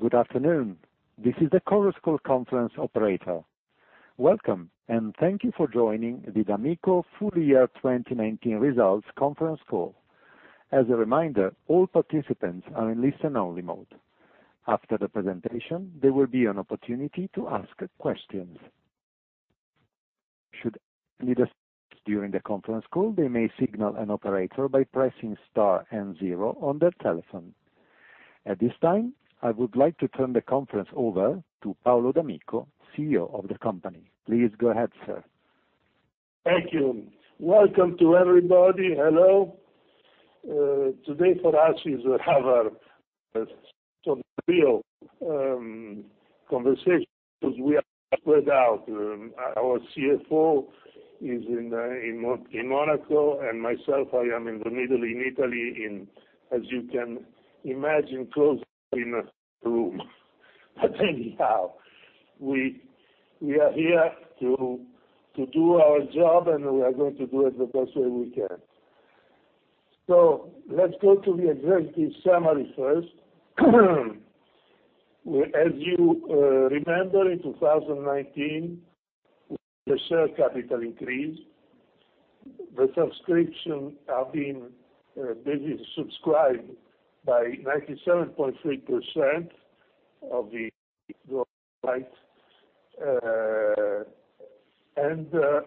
Good afternoon. This is the Chorus Call conference operator. Welcome, and thank you for joining the d'Amico Full Year 2019 Results Conference Call. As a reminder, all participants are in listen only mode. After the presentation, there will be an opportunity to ask questions. Should any participants during the conference call, they may signal an operator by pressing star and zero on their telephone. At this time, I would like to turn the conference over to Paolo d'Amico, CEO of the company. Please go ahead, sir. Thank you. Welcome to everybody. Hello. Today for us is have a sort of real conversation because we are spread out. Our CFO is in Monaco and myself, I am in Italy, as you can imagine, closed in a room. Anyhow, we are here to do our job, and we are going to do it the best way we can. Let's go to the executive summary first. As you remember, in 2019, the share capital increased. The subscription have been basically subscribed by 97.3% of the right, and the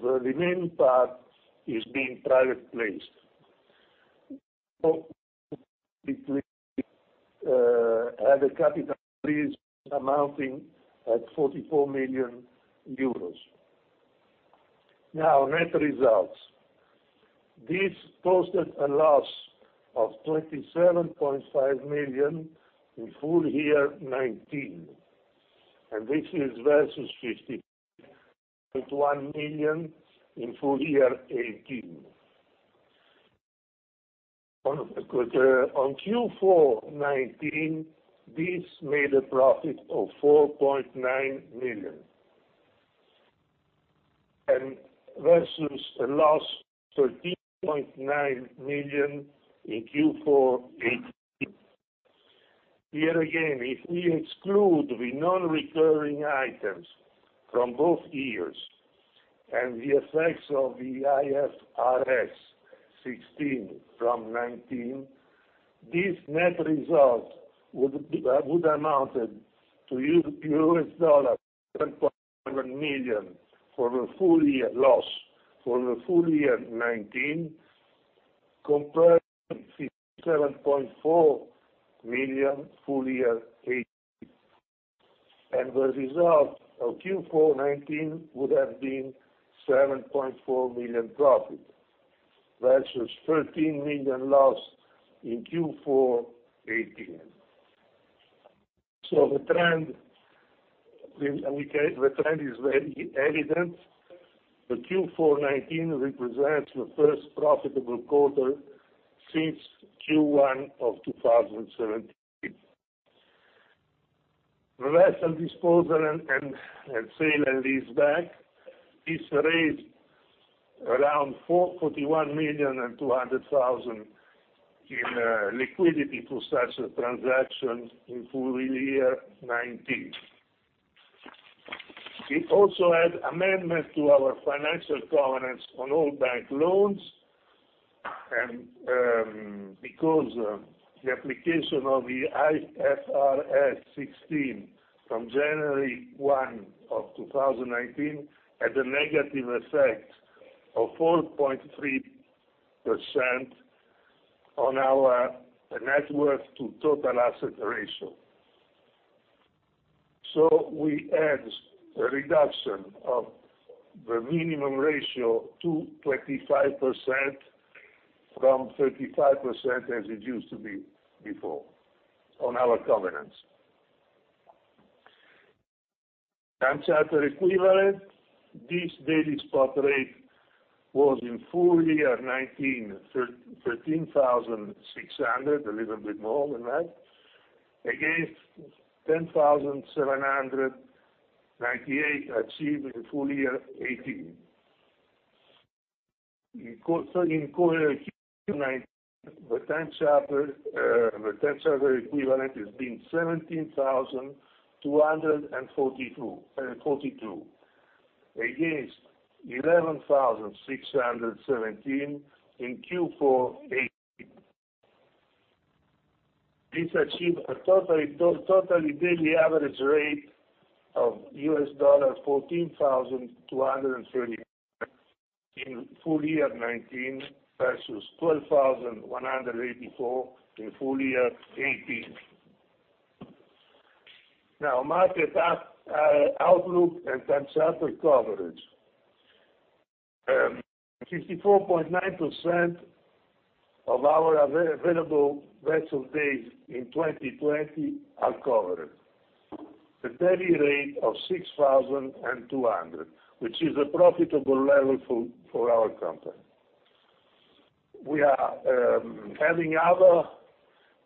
remaining part is being private placed. Had a capital increase amounting at 44 million euros. Now, net results. This posted a loss of 27.5 million in full year 2019, and this is versus 50.1 million in full year 2018. On Q4 2019, this made a profit of $4.9 million and versus a loss $13.9 million in Q4 2018. Here again, if we exclude the non-recurring items from both years and the effects of the IFRS 16 from 2019, this net result would amounted to $12.7 million for the full year loss, for the full year 2019, compared to $57.4 million full year 2018. The result of Q4 2019 would have been $7.4 million profit versus $13 million loss in Q4 2018. The trend is very evident. The Q4 2019 represents the first profitable quarter since Q1 2017. The vessel disposal and sale and leaseback is raised around $41,200,000 in liquidity to such a transaction in full year 2019. We also had amendments to our financial covenants on all bank loans, because the application of the IFRS 16 from January 1, 2019 had a negative effect of 4.3% on our net worth to total asset ratio. We had a reduction of the minimum ratio to 25% from 35% as it used to be before on our covenants. Time charter equivalent. This daily spot rate was in full year 2019, 13,600, a little bit more than that, against 10,798 achieved in full year 2018. In Q4 2019, the time charter equivalent has been 17,242 against 11,617 in Q4 2018. This achieved a totally daily average rate of $14,230 in full year 2019 versus 12,184 in full year 2018. Now, market outlook and time charter coverage. 54.9% of our available vessel days in 2020 are covered, a daily rate of [$6,200], which is a profitable level for our company. We are having other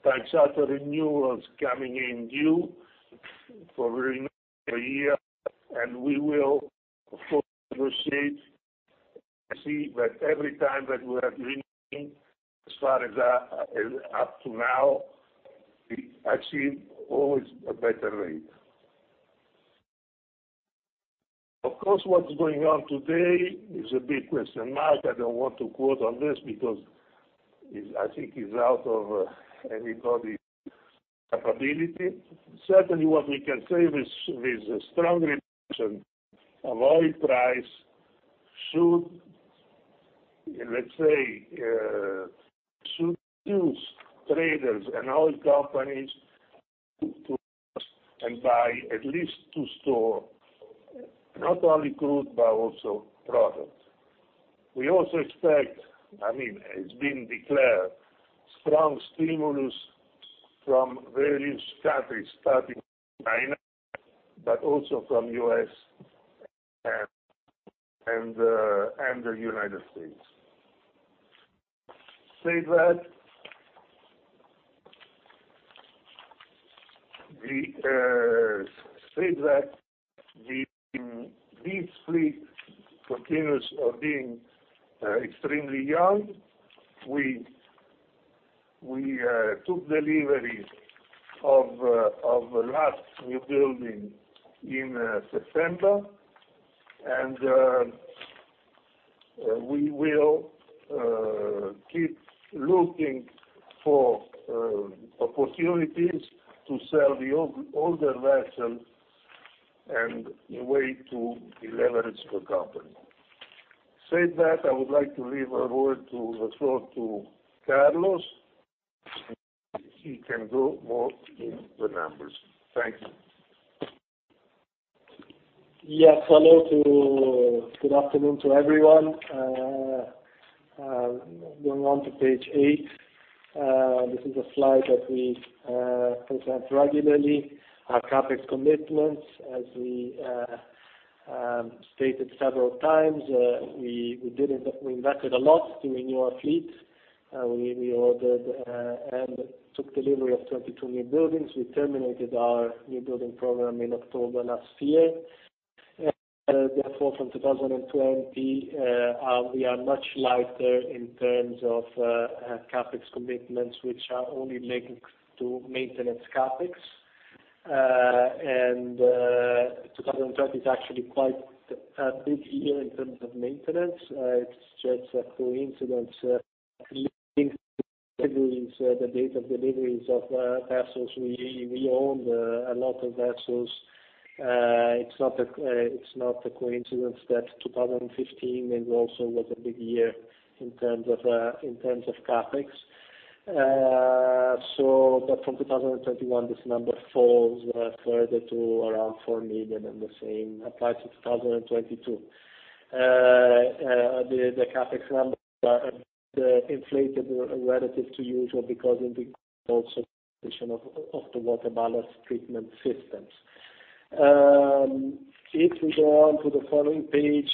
time charter renewals coming in due for renewal a year, and we will proceed. I see that every time that we are winning, as far as up to now, we achieve always a better rate. Of course, what's going on today is a big question mark. I don't want to quote on this because I think it's out of anybody's capability. Certainly, what we can say with strong reduction of oil price should, let's say, should use traders and oil companies to buy, at least to store, not only crude, but also product. We also expect, it's been declared, strong stimulus from various countries, starting with China, but also from U.S. and the United States. Said that, the fleet continues of being extremely young. We took deliveries of last new building in September, and we will keep looking for opportunities to sell the older vessels and the way to deleverage the company. Said that, I would like to leave a word to the floor to Carlos. He can go more in the numbers. Thank you. Yes. Good afternoon to everyone. Going on to page eight. This is a slide that we present regularly, our CapEx commitments, as we stated several times, we invested a lot to renew our fleet. We ordered and took delivery of 22 new buildings. We terminated our new building program in October last year. Therefore from 2020, we are much lighter in terms of CapEx commitments, which are only linked to maintenance CapEx. 2020 is actually quite a big year in terms of maintenance. It's just a coincidence, the date of deliveries of vessels. We owned a lot of vessels. It's not a coincidence that 2015 then also was a big year in terms of CapEx. From 2021, this number falls further to around $4 million, and the same applies to 2022. The CapEx numbers are a bit inflated relative to usual because it includes also the addition of the water ballast treatment systems. We go on to the following page,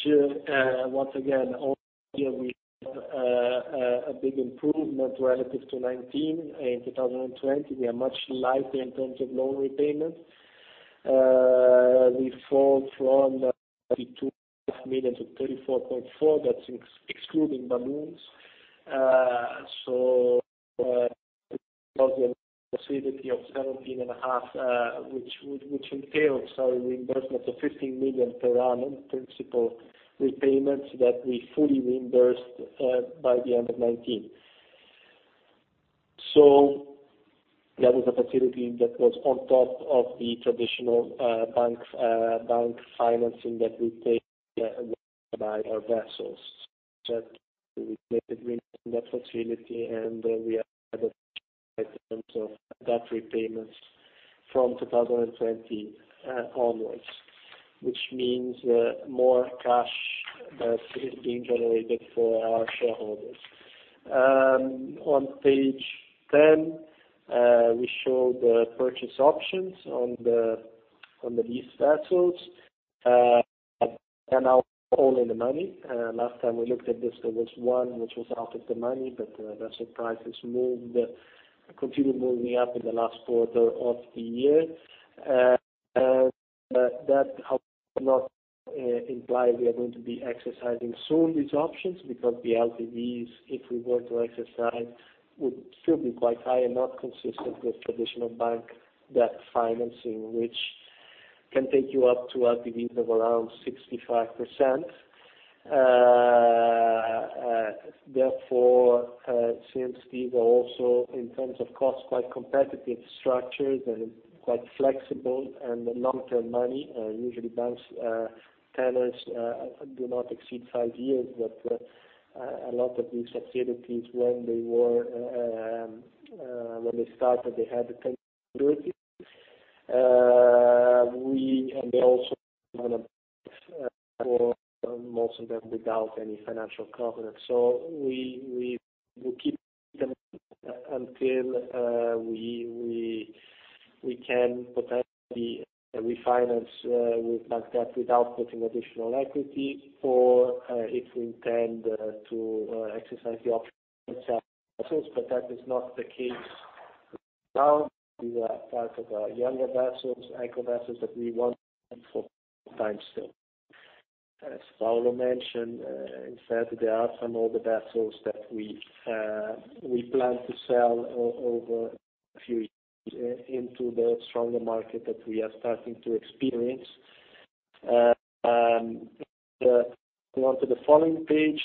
once again, all year we have a big improvement relative to 2019. In 2020, we are much lighter in terms of loan repayments. We fall from $32.5 million to $34.4 million. That's excluding balloons. Facility of $17.5 million, which entails our reimbursement of $15 million per annum principal repayments that we fully reimbursed by the end of 2019. That was a facility that was on top of the traditional bank financing that we take to buy our vessels. We made a gain in that facility, and we have in terms of debt repayments from 2020 onwards, which means more cash that is being generated for our shareholders. On page 10, we show the purchase options on these vessels. They are now all in the money. Last time we looked at this, there was one which was out of the money, but the vessel price has continued moving up in the last quarter of the year. That does not imply we are going to be exercising soon these options because the LTVs, if we were to exercise, would still be quite high and not consistent with traditional bank debt financing, which can take you up to LTVs of around 65%. Therefore, since these are also, in terms of cost, quite competitive structures and quite flexible and long-term money, usually banks' tenants do not exceed five years, but a lot of these facilities when they started, they had a 10-year maturity, and they also for most of them without any financial covenant. We will keep them until we can potentially refinance with bank debt without putting additional equity or if we intend to exercise the option to sell vessels, but that is not the case. Now, these are part of our younger vessels, Eco vessels that we want for some time still. As Paolo mentioned, in fact, there are some older vessels that we plan to sell over a few years into the stronger market that we are starting to experience. Going on to the following page,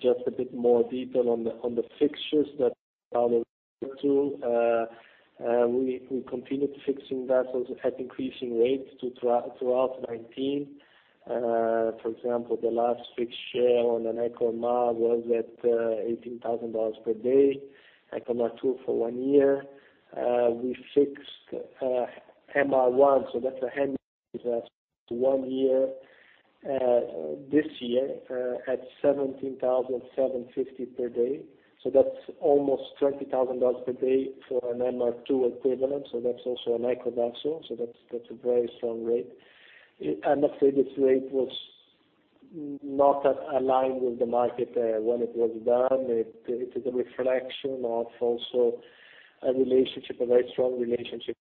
just a bit more detail on the fixtures that Paolo referred to. We continued fixing vessels at increasing rates throughout 2019. For example, the last fixture on an eco MR was at $18,000 per day, eco MR2 for one year. We fixed MR1, so that's a Handymax, one year this year at $17,750 per day. That's almost $20,000 per day for an MR2 equivalent, so that's also an eco vessel, so that's a very strong rate. Obviously this rate was not as aligned with the market when it was done. It is a reflection of also a very strong relationship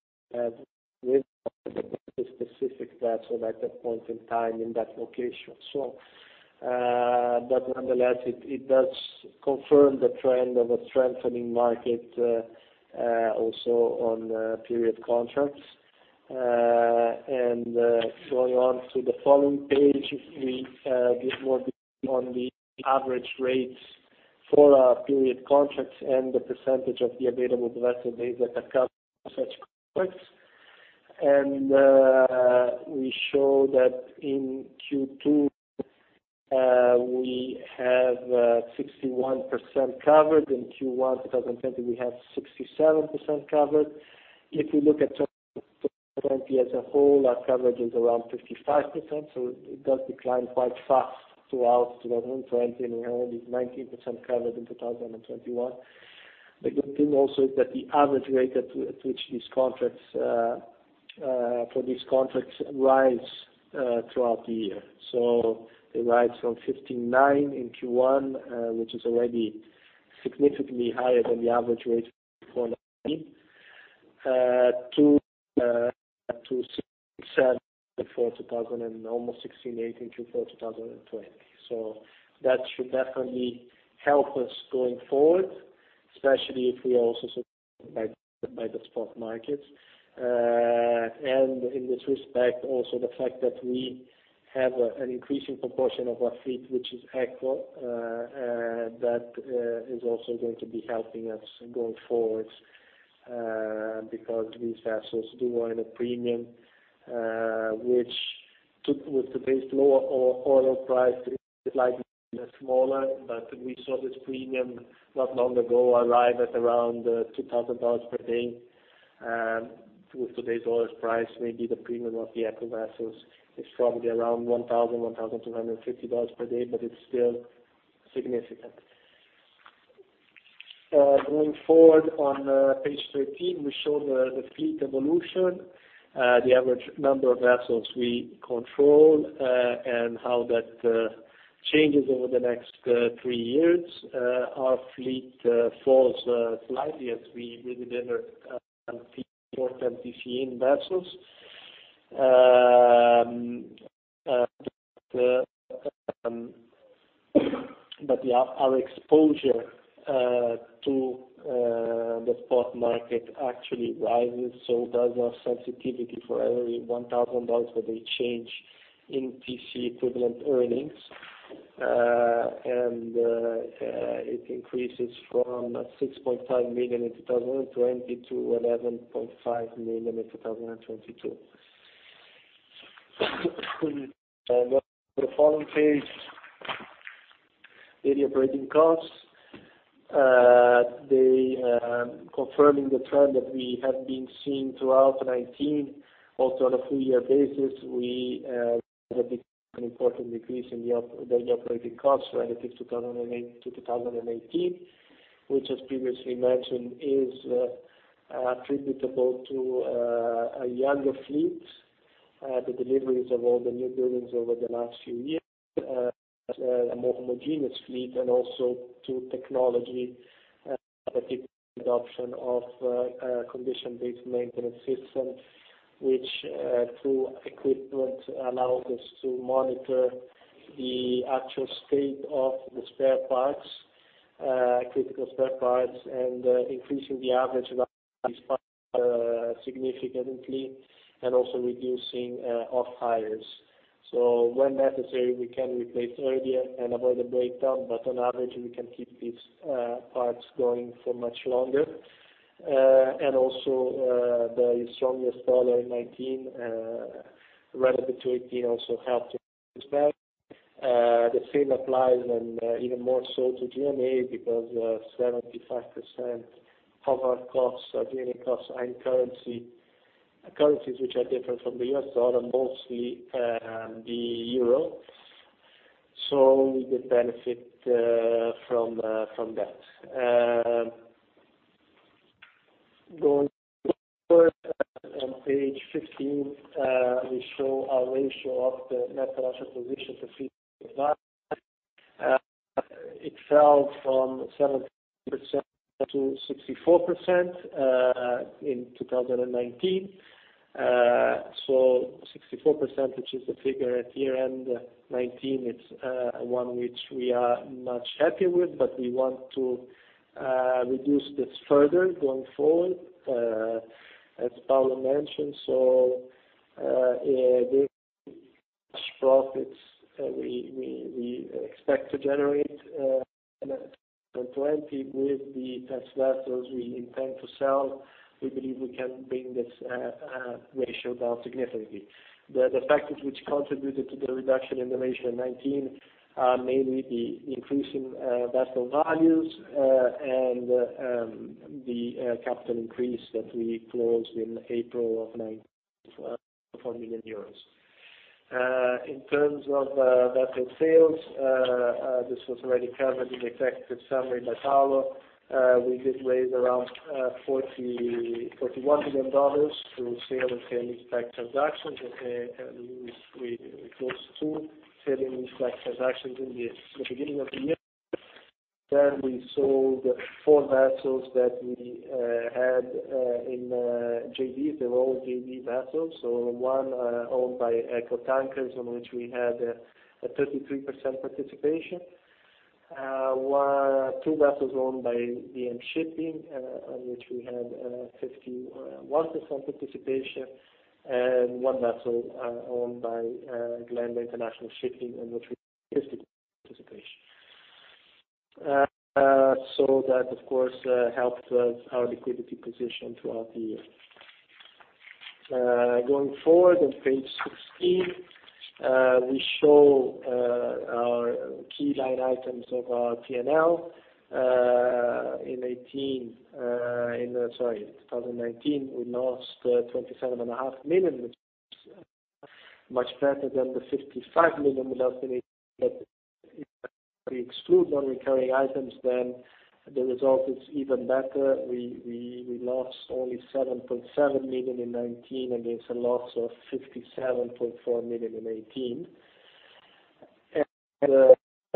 with a specific vessel at that point in time in that location. Nonetheless, it does confirm the trend of a strengthening market also on period contracts. Going on to the following page, a bit more detail on the average rates for our period contracts and the percentage of the available vessel days that are covered by such contracts. We show that in Q2 we have 61% covered. In Q1 2020, we have 67% covered. If we look at 2020 as a whole, our coverage is around 55%, so it does decline quite fast throughout 2020, and we only have 19% covered in 2021. The good thing also is that the average rate at which these contracts rise throughout the year. They rise from $15,900 in Q1, which is already significantly higher than the average rate for 2019, to almost $16,800, Q4 2020. That should definitely help us going forward, especially if we are also supported by the spot market. In this respect, also the fact that we have an increasing proportion of our fleet, which is eco, that is also going to be helping us going forward because these vessels do earn a premium which with today's lower oil price is likely smaller. We saw this premium not long ago arrive at around $2,000 per day. With today's oil price, maybe the premium of the Eco vessels is probably around $1,000-$1,250 per day, but it's still significant. Going forward on page 13, we show the fleet evolution, the average number of vessels we control, and how that changes over the next three years. Our fleet falls slightly as we deliver some 410 TEU vessels. Our exposure to the spot market actually rises, so does our sensitivity for every $1,000 where they change in TC equivalent earnings. It increases from $6.5 million in 2020 to $11.5 million in 2022. On the following page, daily operating costs. They are confirming the trend that we have been seeing throughout 2019. Also on a full year basis, we had an important decrease in the daily operating costs relative to 2018, which as previously mentioned, is attributable to a younger fleet, the deliveries of all the new buildings over the last few years, a more homogeneous fleet, and also to technology, in particular the adoption of a condition-based maintenance system, which through equipment allows us to monitor the actual state of the spare parts, critical spare parts, and increasing the average life of these parts significantly and also reducing off hires. When necessary, we can replace earlier and avoid a breakdown, but on average, we can keep these parts going for much longer. Also the stronger dollar in 2019 relative to 2018 also helped in this respect. The same applies and even more so to G&A because 75% of our costs are daily costs in currencies which are different from the U.S. dollar, mostly the euro. We did benefit from that. Going on page 15, we show our ratio of the net financial position. It fell from 70% to 64% in 2019. 64%, which is the figure at year-end 2019, it's one which we are much happy with, but we want to reduce this further going forward, as Paolo mentioned. The profits we expect to generate in 2020 with the TCE vessels we intend to sell, we believe we can bring this ratio down significantly. The factors which contributed to the reduction in the ratio in 2019, are mainly the increase in vessel values, and the capital increase that we closed in April of 2019 of 44 million euros. In terms of vessel sales, this was already covered in executive summary by Paolo. We did raise around $41 million through sale and sale leaseback transactions, and we closed two sale and leaseback transactions in the beginning of the year. We sold four vessels that we had in JVs. They're all JV vessels, so one owned by Eco Tankers, on which we had a 33% participation. Two vessels owned by DM Shipping, on which we had a 51% participation. One vessel owned by Glenda International Shipping, on which we had a 50% participation. That, of course, helped our liquidity position throughout the year. Going forward, on page 16, we show our key line items of our P&L. In 2019, we lost $27.5 million, which is much better than the $55 million we lost in 2018. If we exclude non-recurring items, then the result is even better. We lost only $7.7 million in 2019 against a loss of $57.4 million in 2018.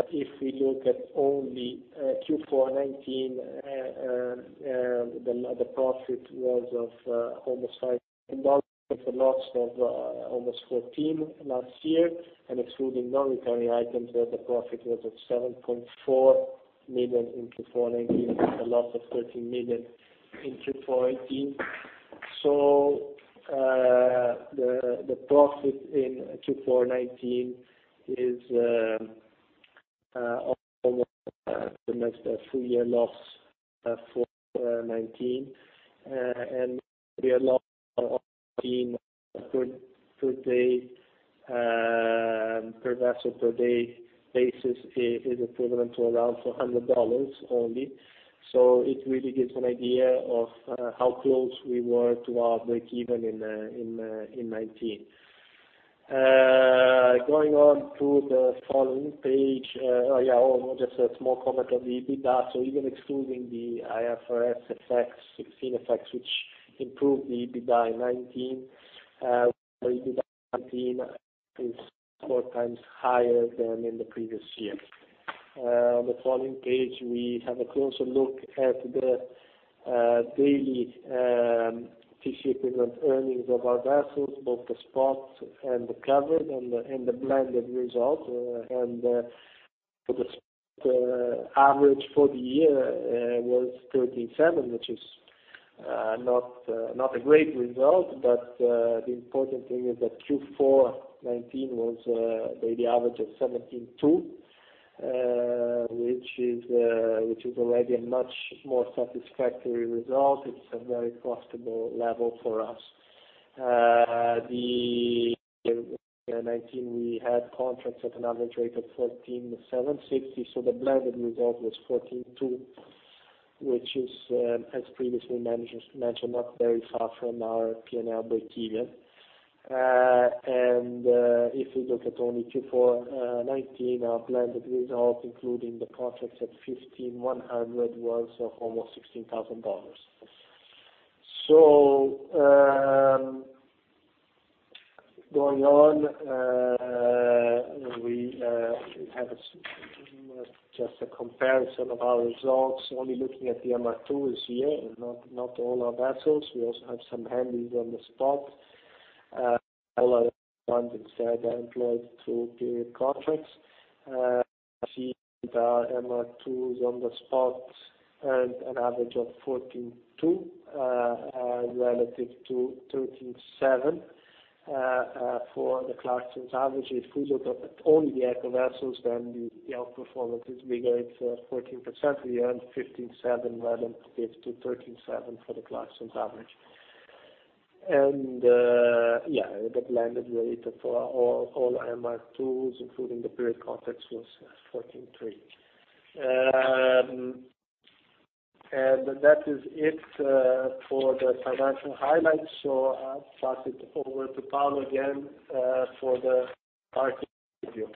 If we look at only Q4 2019, the profit was of almost $5 million with a loss of almost $14 million last year. Excluding non-recurring items there, the profit was at $7.4 million in Q4 2019, against a loss of $13 million in Q4 2018. The profit in Q4 2019 is almost the full year loss for 2019. We are seeing a per vessel per day basis is equivalent to around $400 only. It really gives an idea of how close we were to our breakeven in 2019. Going on to the following page. Just a small comment on the EBITDA. Even excluding the IFRS 16 effects, which improved the EBITDA in 2019, our EBITDA in 2019 is four times higher than in the previous year. On the following page, we have a closer look at the daily time charter equivalent earnings of our vessels, both the spot and the covered and the blended result. For the spot, average for the year was $13,700, which is not a great result. The important thing is that Q4 2019 was a daily average of $17,200, which is already a much more satisfactory result. It's a very profitable level for us. In 2019, we had contracts at an average rate of $14,760, the blended result was $14,200, which is, as previously mentioned, not very far from our P&L breakeven. If we look at only Q4 2019, our blended result, including the contracts at $15,100, was of almost $16,000. Going on, we have just a comparison of our results, only looking at the MR2s here and not all our vessels. We also have some Handys on the spot. A lot of time instead are employed through period contracts. You see the MR2s on the spot earned an average of $14,200, relative to $13,700 for the Clarksons average. If we look at only the Eco vessels, then the outperformance is bigger. It's 14%, we earned $15,700 rather than compared to $13,700 for the Clarksons average. Yeah, the blended rate for all MR2s, including the period contracts, was $14,300. That is it for the financial highlights. I'll pass it over to Paolo again, for the market review.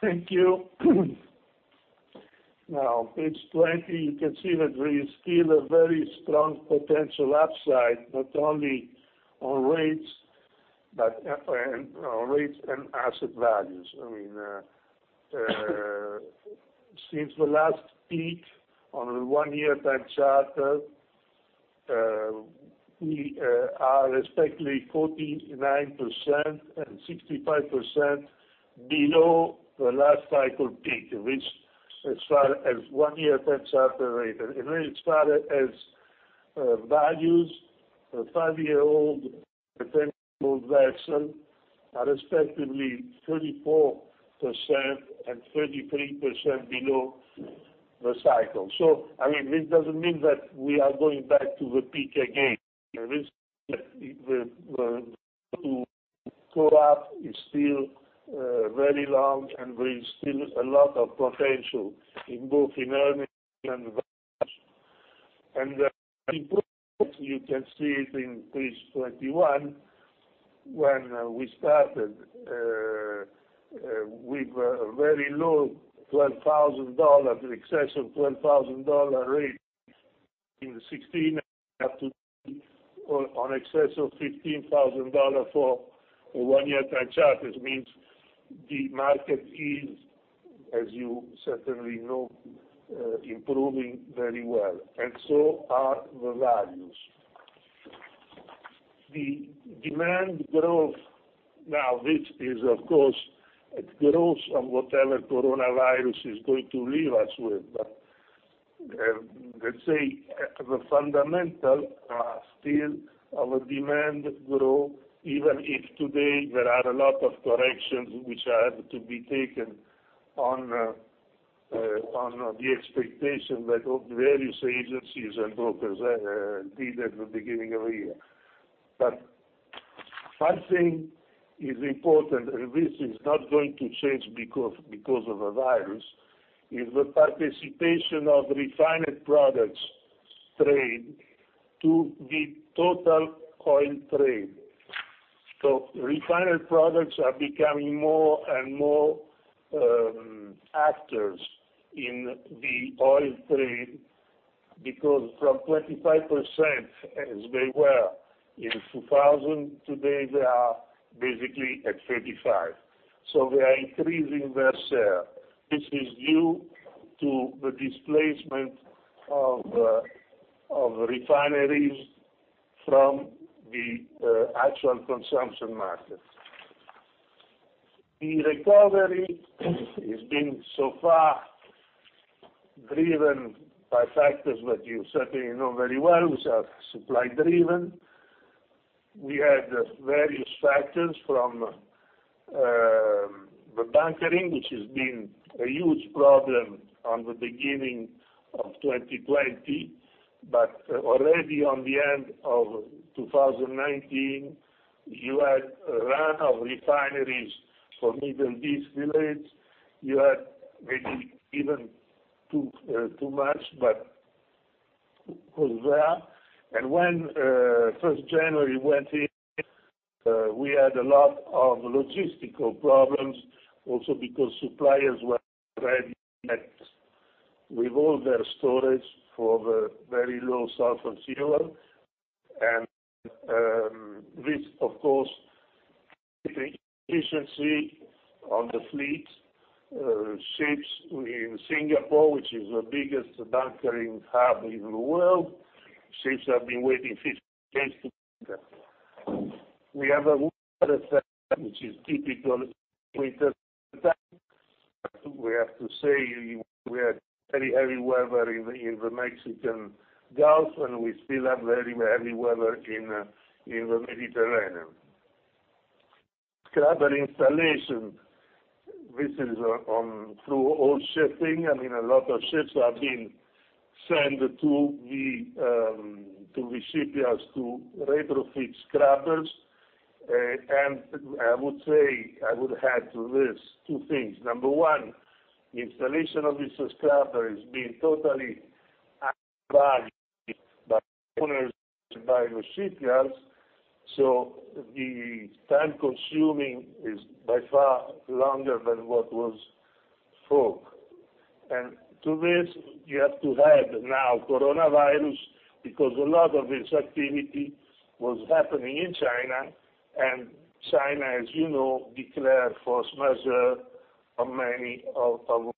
Thank you. On page 20, you can see that there is still a very strong potential upside, not only on rates and asset values. Since the last peak on a one-year time charter, we are respectively 49% and 65% below the last cycle peak, which as far as one-year time charter rates. When it started as values, a five-year-old potential vessel are respectively 34% and 33% below the cycle. This doesn't mean that we are going back to the peak again. The risk that the go up is still very long, and there is still a lot of potential in both earnings and values. The improvement, you can see it in page 21, when we started with very low excess of $12,000 rates in 2016, up to on excess of $15,000 for a one-year time charter. This means the market is, as you certainly know, improving very well, and so are the values. The demand growth now, which is of course, it grows on whatever coronavirus is going to leave us with. Let's say, the fundamental are still our demand growth, even if today there are a lot of corrections which have to be taken on the expectation that various agencies and brokers did at the beginning of the year. One thing is important, and this is not going to change because of the virus, is the participation of refined products trade to the total oil trade. Refined products are becoming more and more actors in the oil trade because from 25%, as they were in 2000, today they are basically at 35. They are increasing their share. This is due to the displacement of refineries from the actual consumption market. The recovery has been so far driven by factors that you certainly know very well. We are supply driven. We had various factors from the bunkering, which has been a huge problem on the beginning of 2020, but already on the end of 2019, you had a run of refineries for middle distillates. You had maybe even too much, but it was there. When 1st January went in, we had a lot of logistical problems also because suppliers were already met with all their storage for the very low sulfur fuel, and this, of course, efficiency on the fleet. Ships in Singapore, which is the biggest bunkering hub in the world, ships have been waiting 15 days to bunker. We have to say, we had very heavy weather in the Gulf of Mexico, and we still have very heavy weather in the Mediterranean. Scrubber installation. This is through old shipping. A lot of ships have been sent to the shipyards to retrofit scrubbers. I would say, I would add to this two things. Number 1, installation of this scrubber is being totally by owners, by the shipyards. The time consuming is by far longer than what was thought. To this, you have to add now coronavirus, because a lot of this activity was happening in China, and China, as you know, declared force majeure on many of those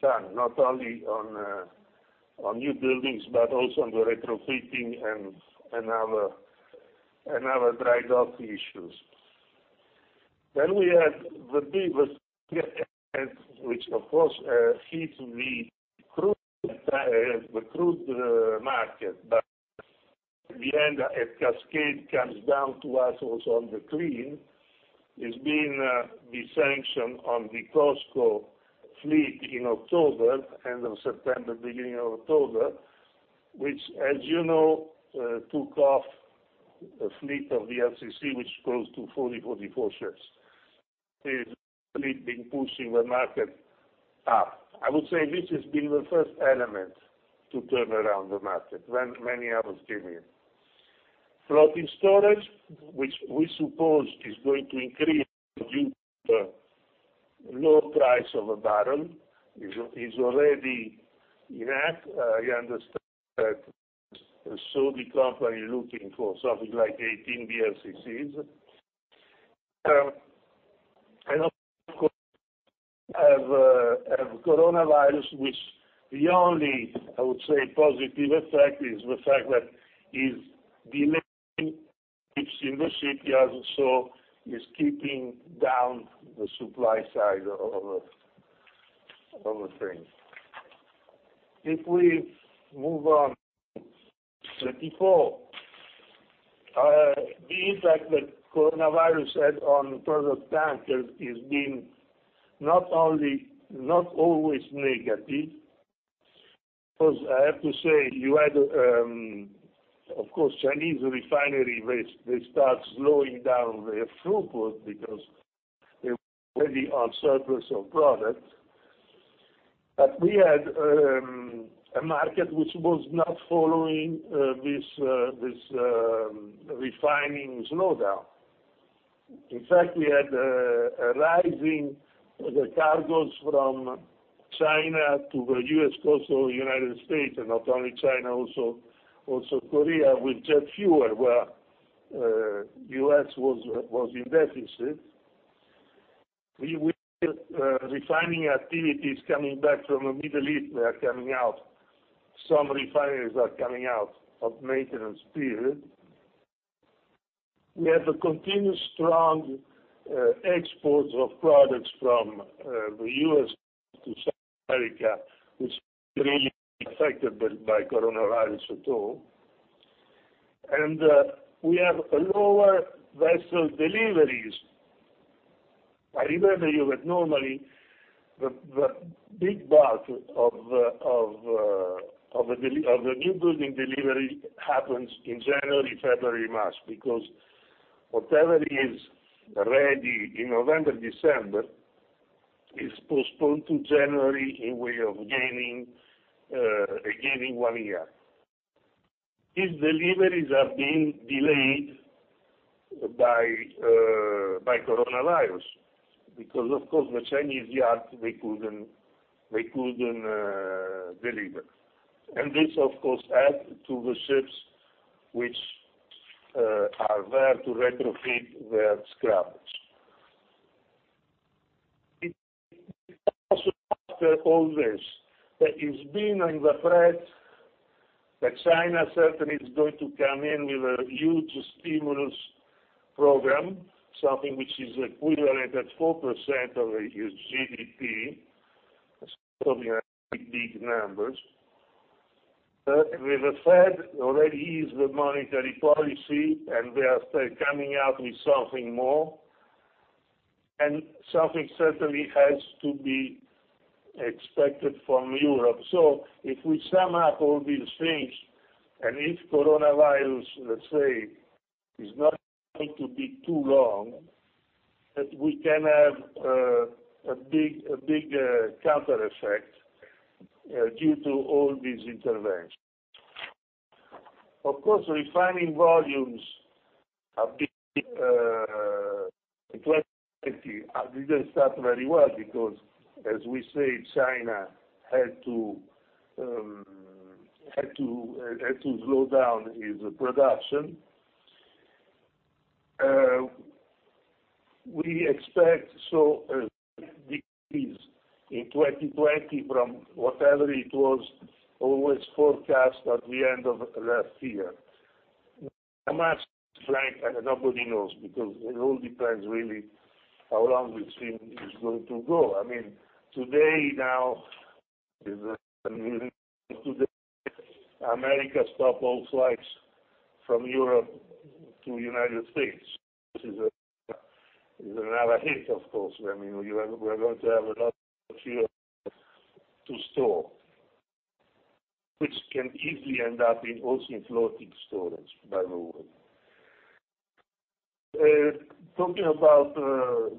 done, not only on new buildings, but also on the retrofitting and other dry dock issues. We had the biggest which of course, hit the crude market, but in the end, a cascade comes down to us also on the clean, is being the sanction on the COSCO fleet in October, end of September, beginning of October, which as you know, took off a fleet of the VLCCs, which goes to 40, 44 ships. Is fleet been pushing the market up. I would say this has been the first element to turn around the market. Many others came in. Floating storage, which we suppose is going to increase due to low price of a barrel, is already in act. I understand that a Saudi company looking for something like 18 VLCCs. Of course, have coronavirus, which the only, I would say, positive effect is the fact that is delaying ships in the shipyards, so is keeping down the supply side of the thing. If we move on to 34. The impact that coronavirus had on product tankers is being not always negative. I have to say, you had, of course, Chinese refinery, they start slowing down their throughput because they were already on surplus of product. We had a market which was not following this refining slowdown. In fact, we had a rising the cargoes from China to the U.S. coast, and not only China, also Korea, with jet fuel, where U.S. was in deficit. We will see refining activities coming back from the Middle East. They are coming out. Some refineries are coming out of maintenance period. We have a continued strong exports of products from the U.S. to South America, which really isn't affected by coronavirus at all. We have lower vessel deliveries. I remember you that normally, the big bulk of the new building delivery happens in January, February, March, because whatever is ready in November, December, is postponed to January in way of gaining one year. These deliveries have been delayed by coronavirus, because of course, the Chinese yard, they couldn't deliver. This, of course, add to the ships which are there to retrofit their scrubbers. We also after all this, there is been in the press that China certainly is going to come in with a huge stimulus program, something which is equivalent at 4% of the huge GDP. We are talking big numbers. With the Fed already ease the monetary policy, and they are still coming out with something more, and something certainly has to be expected from Europe. If we sum up all these things, and if coronavirus, let's say, is not going to be too long, that we can have a big counter effect due to all these interventions. Of course, refining volumes in 2020 didn't start very well because, as we say, China had to slow down its production. We expect a decrease in 2020 from whatever it was always forecast at the end of last year. How much, Frank? Nobody knows, because it all depends really how long this thing is going to go. I mean, today now, America stop all flights from Europe to United States. This is another hit, of course. We are going to have a lot of fuel to store, which can easily end up in also in floating storage, by the way. Talking about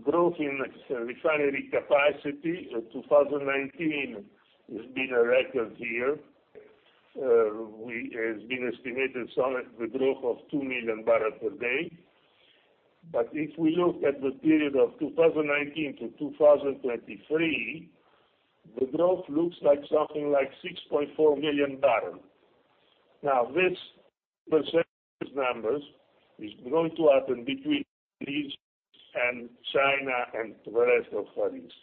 growth in refinery capacity, 2019 has been a record year. It's been estimated somewhere the growth of 2 million barrels per day. If we look at the period of 2019 to 2023, the growth looks like something like 6.4 million barrels. This percentage numbers is going to happen between Middle East and China and the rest of Far East.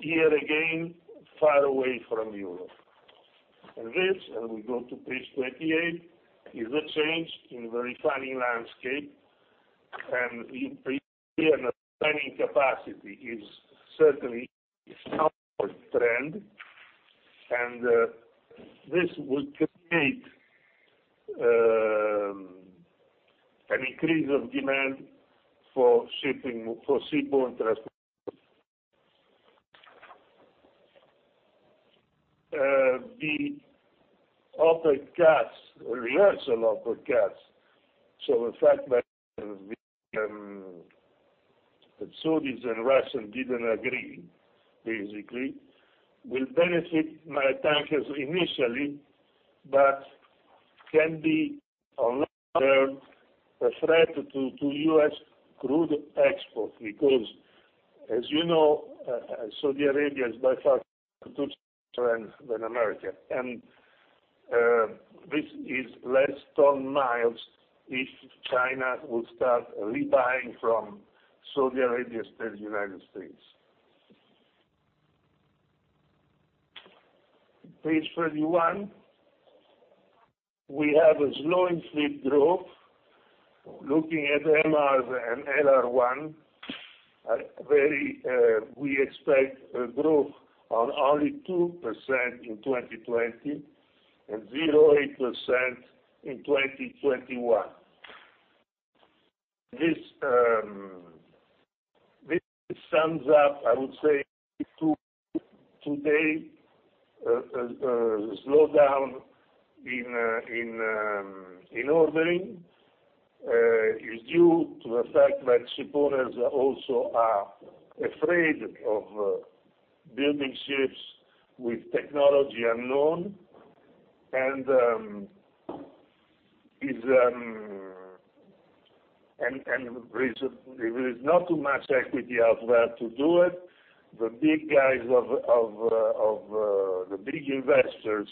Here again, far away from Europe. This, and we go to page 28, is the change in the refining landscape. You can see an expanding capacity is certainly upward trend, and this will create an increase of demand for seaborne transportation. The OPEC forecasts, reversal OPEC forecasts. The fact that Saudis and Russians didn't agree, basically, will benefit my tankers initially, but can be on longer a threat to U.S. crude exports because, as you know, Saudi Arabia is by far than America. This is less ton-miles if China would start re-buying from Saudi Arabia instead of U.S. Page 31, we have a slowing fleet growth. Looking at MRs and LR1, we expect a growth on only 2% in 2020 and 0.8% in 2021. This sums up, I would say, to today, slowdown in ordering is due to the fact that shipowners also are afraid of building ships with technology unknown, and there is not too much equity out there to do it. The big investors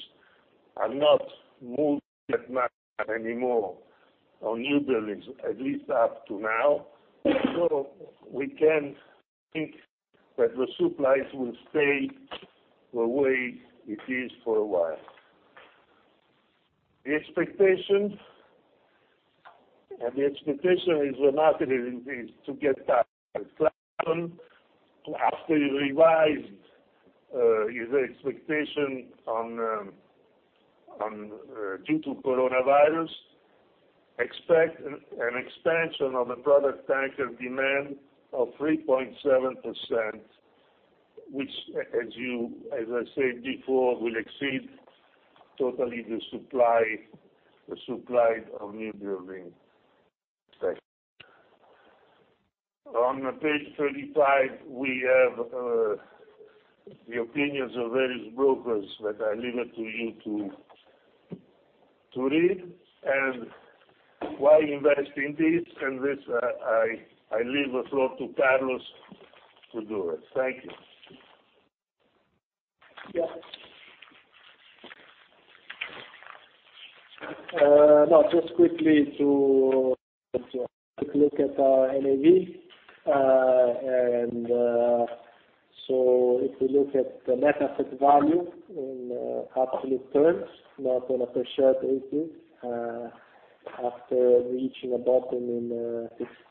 have not moved that much anymore on new buildings, at least up to now. We can think that the supplies will stay the way it is for a while. The expectation is the market is to get back after you revised your expectation due to coronavirus. Expect an expansion of the product tanker demand of 3.7%, which as I said before, will exceed totally the supply of new building. On page 35, we have the opinions of various brokers, but I leave it to you to read and why invest in this, and this I leave the floor to Carlos to do it. Thank you. Just quickly to look at our NAV. If you look at the net asset value in absolute terms, not on a per share basis. After reaching a bottom in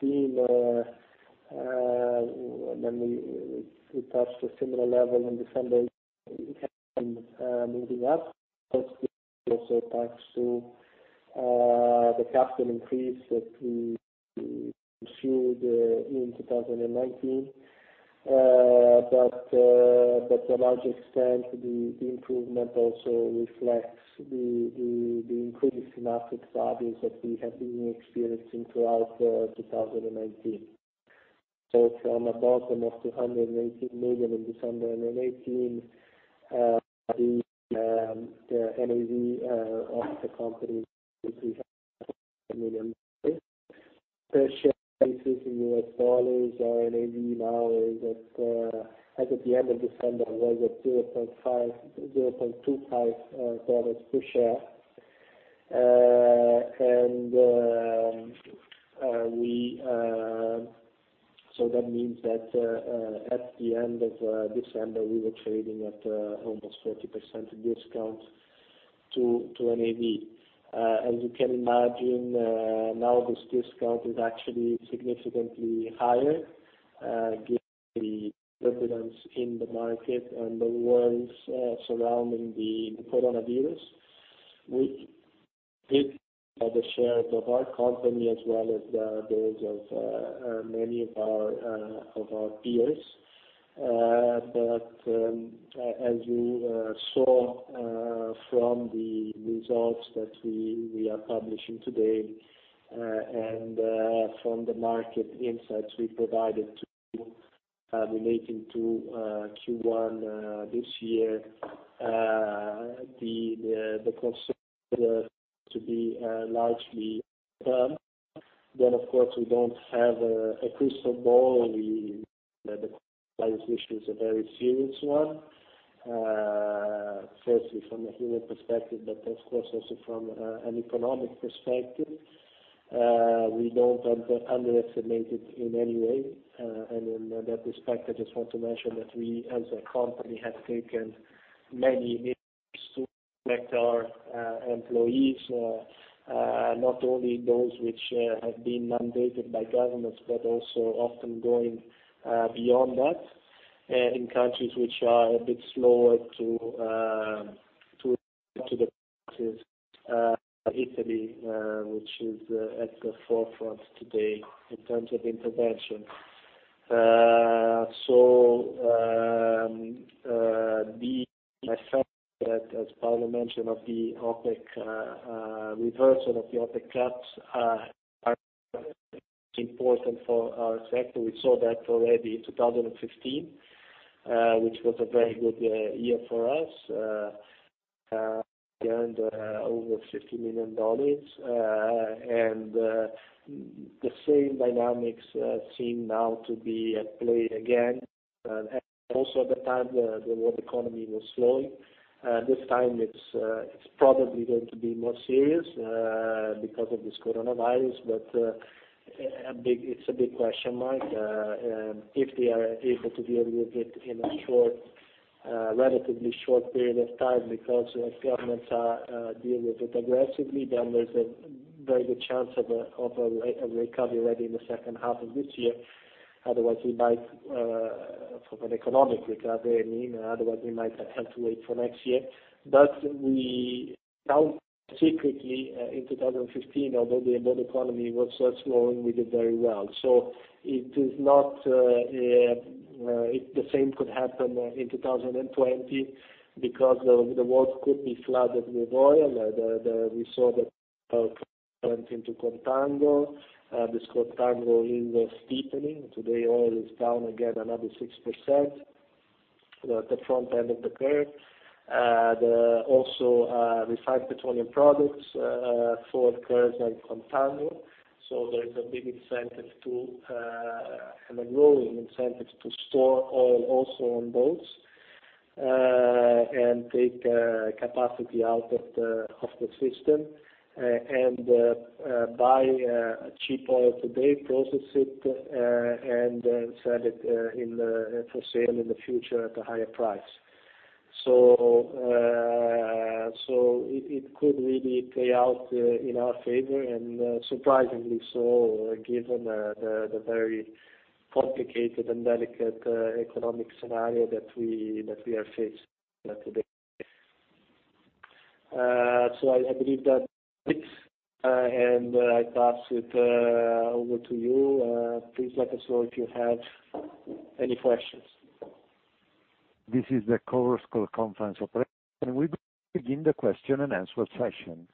2016, we touched a similar level in December, it has been moving up, but this also thanks to the capital increase that we pursued in 2019. To a large extent, the improvement also reflects the increased asset values that we have been experiencing throughout 2019. From a bottom of $218 million in December 2018, the NAV of the company is $340 million. Per share basis in US dollars, our NAV now as at the end of December, was at $0.25 per share. That means that at the end of December, we were trading at almost 40% discount to NAV. As you can imagine, now this discount is actually significantly higher, given the turbulence in the market and the worries surrounding the coronavirus, which hit the shares of our company as well as those of many of our peers. As you saw from the results that we are publishing today, and from the market insights we provided to you relating to Q1 this year, the concern appears to be largely term. Of course, we don't have a crystal ball. We know that the coronavirus issue is a very serious one, firstly from a human perspective, but of course also from an economic perspective. We don't underestimate it in any way. In that respect, I just want to mention that we as a company have taken many measures to protect our employees, not only those which have been mandated by governments, but also often going beyond that in countries which are a bit slower to the punches than Italy, which is at the forefront today in terms of intervention. My sense is that, as Paolo mentioned, the reversal of the OPEC cuts are very important for our sector. We saw that already in 2015, which was a very good year for us. We earned over $50 million. The same dynamics seem now to be at play again. At the time, the world economy was slowing. This time, it's probably going to be more serious because of this coronavirus. It's a big question mark. If they are able to deal with it in a relatively short period of time because governments are dealing with it aggressively, then there is a very good chance of a recovery already in the second half of this year. For an economic recovery, I mean, otherwise, we might have to wait for next year. We counter-cyclically in 2015, although the world economy was slowing, we did very well. The same could happen in 2020 because the world could be flooded with oil. We saw that oil went into contango. This contango is steepening. Today, oil is down again another 6% at the front end of the curve. Also, refined petroleum products, for example, contango. There is a growing incentive to store oil also on boats, and take capacity out of the system, and buy cheap oil today, process it, and sell it for sale in the future at a higher price. It could really play out in our favor, and surprisingly so, given the very complicated and delicate economic scenario that we are facing today. I believe that's it, and I pass it over to you. Please let us know if you have any questions. This is the Chorus Call conference operator. We will now begin the question and answer session.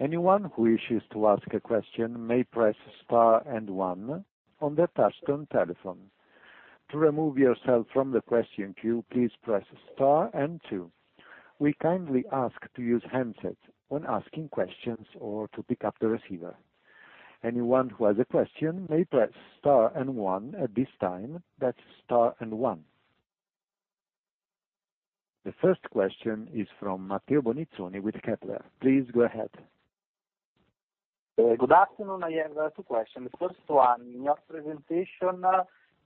Anyone who wishes to ask a question may press star and one on their touch-tone telephone. To remove yourself from the question queue, please press star and two. We kindly ask to use handsets when asking questions or to pick up the receiver. Anyone who has a question may press star and one at this time. That's star and one. The first question is from Matteo Bonizzoni with Kepler. Please go ahead. Good afternoon. I have two questions. First one, in your presentation,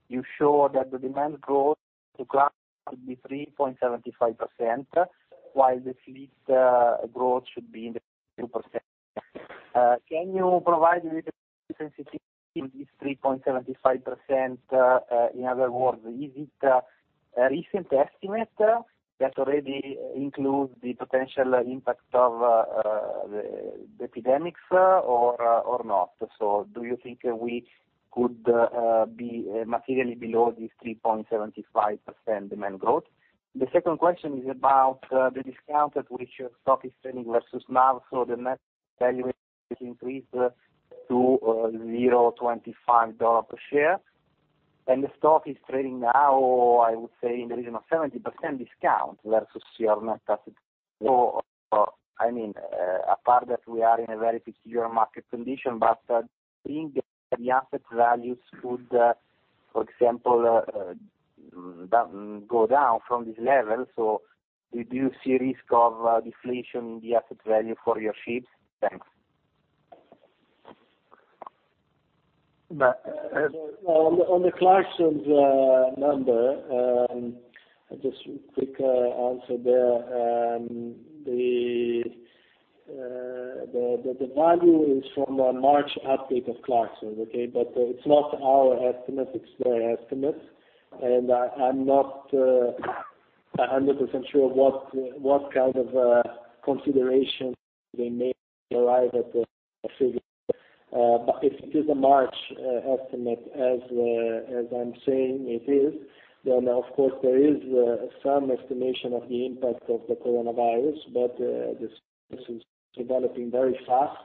you show that the demand growth to Clarksons should be 3.75%, while the fleet growth should be in the 2%. Can you provide me the sensitivity to this 3.75%? In other words, is it a recent estimate that already includes the potential impact of the epidemics or not? Do you think we could be materially below this 3.75% demand growth? The second question is about the discount at which your stock is trading versus NAV. The net valuation increased to $0.25 per share. The stock is trading now, I would say, in the region of 70% discount versus your net asset. Apart that we are in a very peculiar market condition, but do you think the asset values could, for example, go down from this level? Do you see risk of deflation in the asset value for your ships? Thanks. On the Clarksons number, just a quick answer there. The value is from a March update of Clarksons. It's not our estimate, it's their estimate. I'm not 100% sure what kind of consideration they made to arrive at those figures. If it is a March estimate, as I'm saying it is, then of course, there is some estimation of the impact of the coronavirus, but this is developing very fast.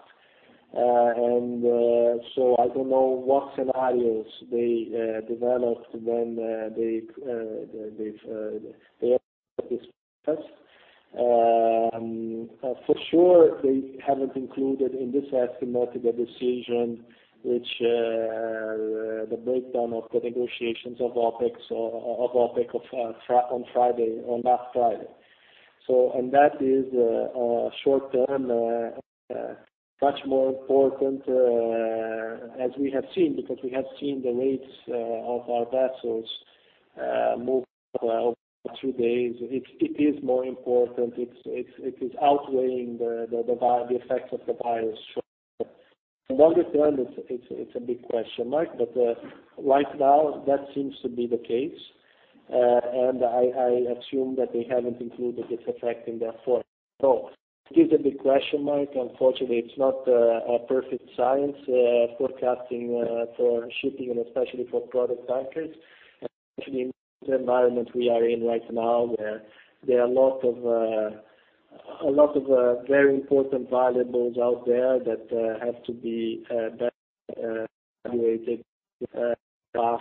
I don't know what scenarios they developed when they arrived at this process. For sure, they haven't included in this estimate the decision, which the breakdown of the negotiations of OPEC on last Friday. That is short-term, much more important as we have seen, because we have seen the rates of our vessels move over the last few days. It is more important. It is outweighing the effect of the virus short term. Longer term, it's a big question mark, but right now, that seems to be the case. I assume that they haven't included this effect in their forecast. It is a big question mark. Unfortunately, it's not a perfect science forecasting for shipping and especially for product tankers, especially in the environment we are in right now, where there are a lot of very important variables out there that have to be better evaluated path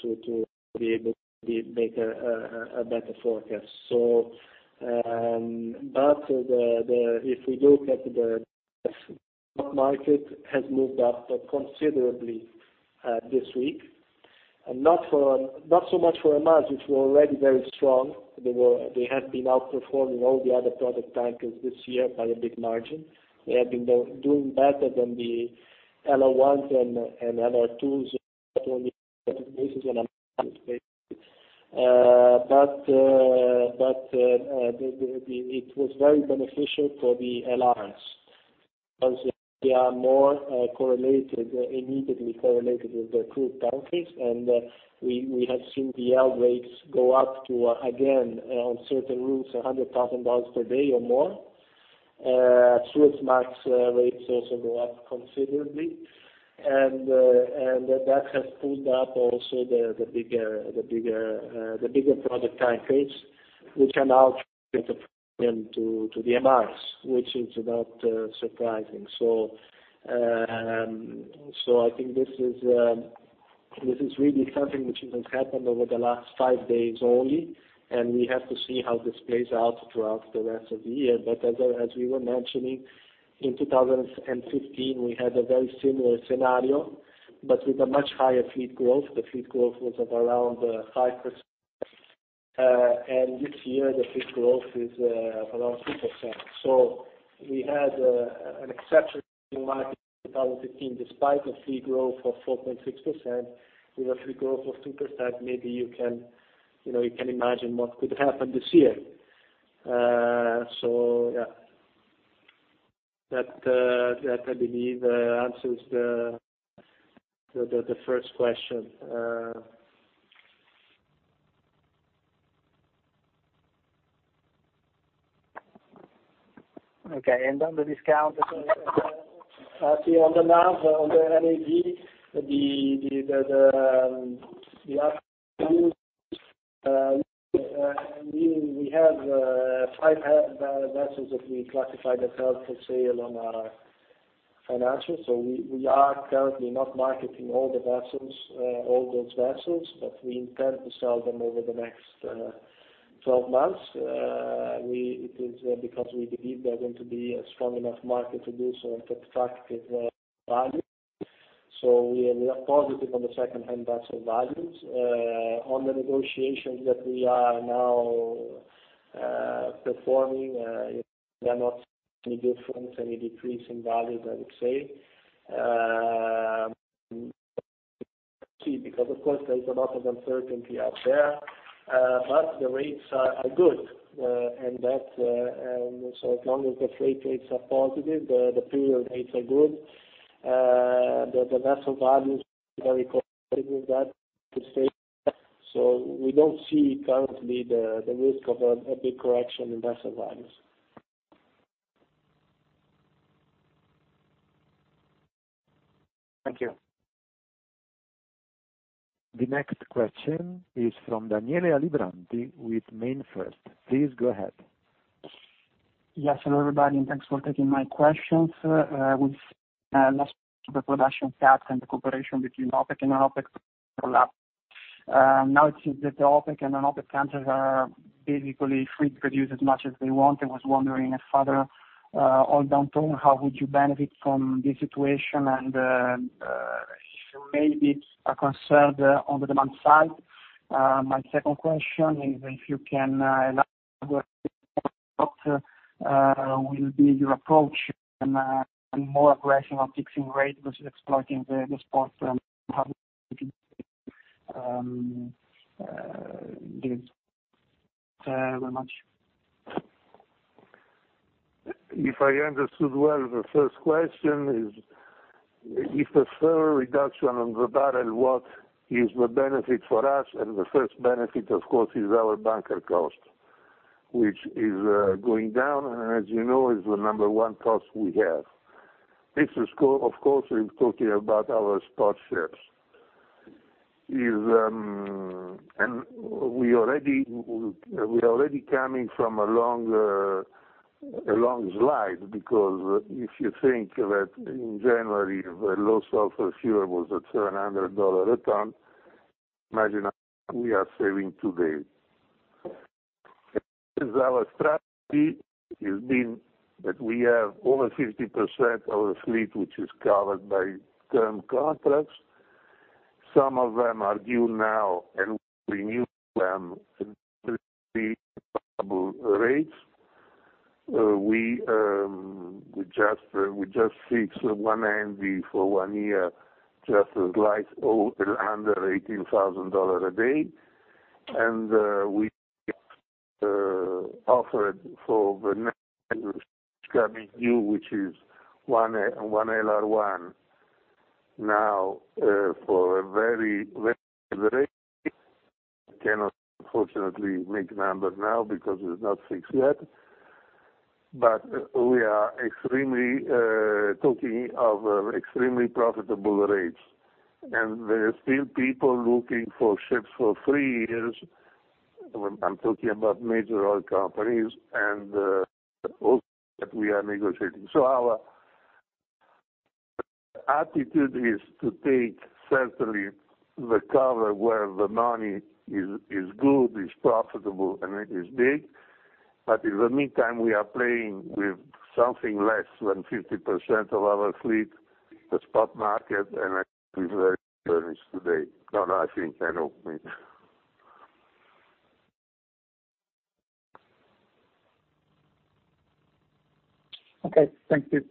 to be able to make a better forecast. If we look at the stock market, has moved up considerably this week. Not so much for a month, which were already very strong. They have been outperforming all the other product tankers this year by a big margin. They have been doing better than the LR1 and LR2 but it was very beneficial for the LRs, because they are more immediately correlated with the crude tankers. We have seen the LR rates go up to, again, on certain routes, $100,000 per day or more. Suezmax rates also go up considerably. That has pulled up also the bigger product tankers, which are now to the MRs, which is not surprising. I think this is really something which has happened over the last five days only, and we have to see how this plays out throughout the rest of the year. As we were mentioning, in 2015, we had a very similar scenario, but with a much higher fleet growth. The fleet growth was of around 5%, and this year the fleet growth is around 2%. We had an exceptional market in 2015, despite a fleet growth of 4.6%, with a fleet growth of 2%, maybe you can imagine what could happen this year. Yeah. That I believe answers the first question. Okay, on the discount? On the NAV, we have five vessels that we classified as held for sale on our financials. We are currently not marketing all those vessels, but we intend to sell them over the next 12 months. It is because we believe there are going to be a strong enough market to do so and get attractive value. We are positive on the second-hand vessel values. On the negotiations that we are now performing they are not any difference, any decrease in value, I would say. Of course there is a lot of uncertainty out there, but the rates are good. As long as the freight rates are positive, the period rates are good. The vessel values are very correlated with that so we don't see currently the risk of a big correction in vessel values. Thank you. The next question is from Daniele Alibrandi with MainFirst. Please go ahead. Yes, hello everybody. Thanks for taking my questions. With the production cuts and the cooperation between OPEC and OPEC+ collapse, it seems that the OPEC and the OPEC countries are basically free to produce as much as they want. I was wondering if further oil downturn, how would you benefit from this situation and if you maybe are concerned on the demand side? My second question is if you can elaborate will be your approach and more aggression on fixing rates versus exploiting the spot. Thank you very much. If I understood well, the first question is, if a further reduction on the barrel, what is the benefit for us? The first benefit, of course, is our bunker cost, which is going down, and as you know, is the number one cost we have. This is, of course, we're talking about our spot ships. We already coming from a long slide because if you think that in January, the low sulfur fuel was at $700 a ton, imagine how much we are saving today. Our strategy has been that we have over 50% of the fleet which is covered by term contracts. Some of them are due now and we renew them at extremely profitable rates. We just fixed one MR for one year, just a slight over under $18,000 a day. We offered for the next which is 1 LR1 now for a very, very good rate. I cannot unfortunately make numbers now because it is not fixed yet. We are talking of extremely profitable rates. There are still people looking for ships for three years. I am talking about major oil companies and also that we are negotiating. Our attitude is to take certainly the cover where the money is good, is profitable, and it is big. In the meantime, we are playing with something less than 50% of our fleet, the spot market, and I think very today. No, I think, I hope. Okay. Thank you.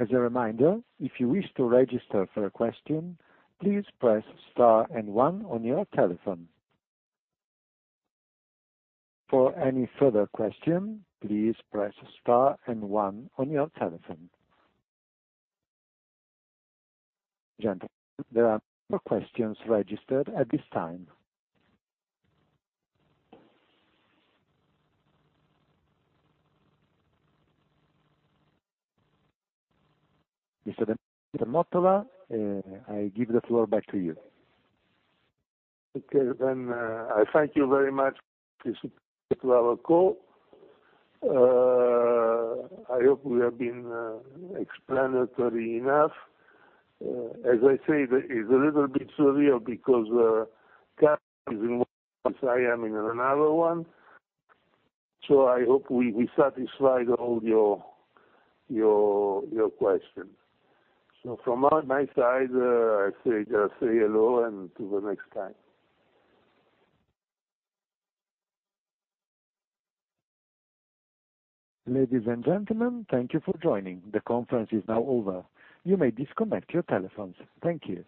As a reminder, if you wish to register for a question, please press star and one on your telephone. For any further question, please press star and one on your telephone. Gentlemen, there are no questions registered at this time. Mr. d'Amico, I give the floor back to you. Okay. I thank you very much to our call. I hope we have been explanatory enough. As I said, it's a little bit surreal because Karim is in one office, I am in another one. I hope we satisfied all your questions. From my side, I just say hello and to the next time. Ladies and gentlemen, thank you for joining. The conference is now over. You may disconnect your telephones. Thank you.